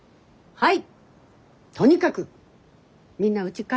はい。